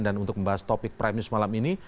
dan untuk membahas topik prime news malam ini